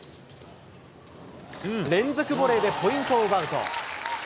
連続ボレーでポイントを奪うと。